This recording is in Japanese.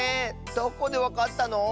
どこでわかったの？